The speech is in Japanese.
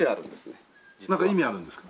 なんか意味あるんですか？